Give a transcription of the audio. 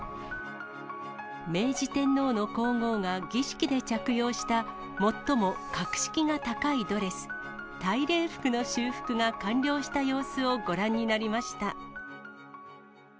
明治天皇の皇后が儀式で着用した最も格式が高いドレス、大礼服の修復が完了した様子をご覧になりました。